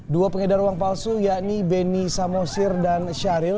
dua pengedar uang palsu yakni beni samosir dan syahril